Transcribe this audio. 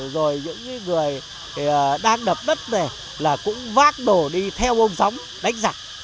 rồi những cái người đang đập đất này là cũng vác đồ đi theo ông gióng đánh giặc